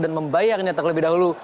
dan membayarnya terlebih dahulu